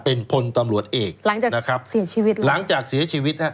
เป็นพลตำรวจเอกนะครับหลังจากเสียชีวิต